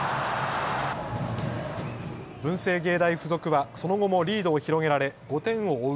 文星芸大付属はその後もリードを広げられ５点を追う